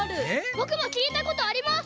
ぼくも聞いたことあります。